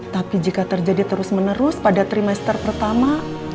tapi jika terjadi terus menerus pada trimester pertama